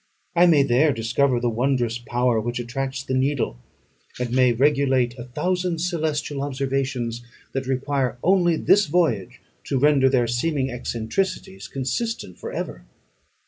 I may there discover the wondrous power which attracts the needle; and may regulate a thousand celestial observations, that require only this voyage to render their seeming eccentricities consistent for ever.